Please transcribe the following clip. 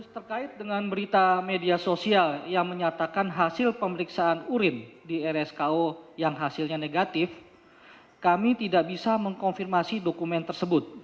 terkait dengan berita media sosial yang menyatakan hasil pemeriksaan urin di rsko yang hasilnya negatif kami tidak bisa mengkonfirmasi dokumen tersebut